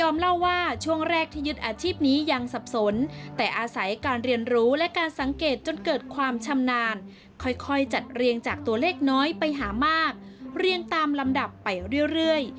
ไม่ไปหามากเรียงตามลำดับไปเรื่อย